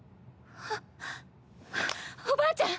はっおばあちゃん！